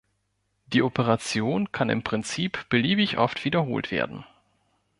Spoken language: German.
Die Operation kann im Prinzip beliebig oft wiederholt werden.